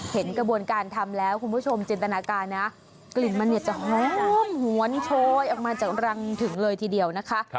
เห็นกระบวนการทำแล้วคุณผู้ชมจินตนาการนะกลิ่นมันเนี่ยจะหอมหวนโชยออกมาจากรังถึงเลยทีเดียวนะคะ